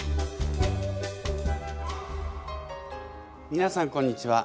みなさんこんにちは。